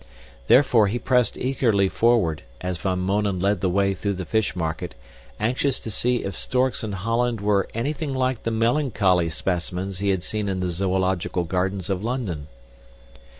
Therefore he pressed eagerly forward, as Van Mounen led the way through the fish market, anxious to see if storks in Holland were anything like the melancholy specimens he had seen in the Zoological Gardens of London.